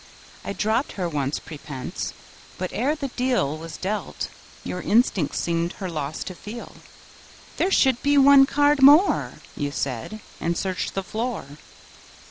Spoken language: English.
I dropped her once, prepense; but, ere the deal Was dealt, your instinct seemed her loss to feel: "There should be one card more," You said, and searched the floor.